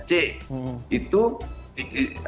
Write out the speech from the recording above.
nanti dapat tunjangan kinerja dapat lagi nanti